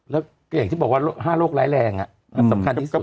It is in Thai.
แล้วก็อย่างที่บอกว่า๕โรคร้ายแรงสำคัญที่สุด